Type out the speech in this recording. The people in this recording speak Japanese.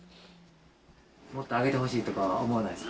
もっと上げてほしいとかは思わないですか？